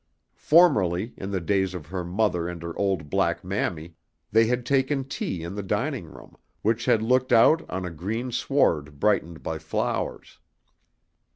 Formerly, in the days of her mother and her old black Mammy, they had taken tea in the dining room, which had looked out on a green sward brightened by flowers.